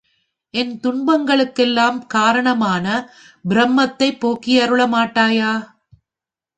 என் துன்பங்களுக்கெல்லாம் காரணமான பிரமத்தைப் போக்கியருள மாட்டாயா?